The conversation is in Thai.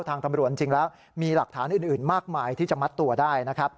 ทางตำรวจจริงแล้วมีหลักฐานอื่นมากมายที่จะมัดตัวได้นะครับ